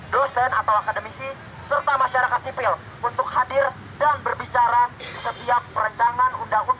tiga dosen atau akademisi serta masyarakat sipil untuk hadir dan berbicara di setiap perencanaan undang undang lainnya